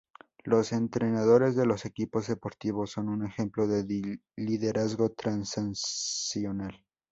Los entrenadores de los equipos deportivos son un ejemplo de liderazgo transaccional.